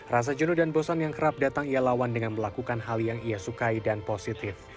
rasa jenuh dan bosan yang kerap datang ia lawan dengan melakukan hal yang ia sukai dan positif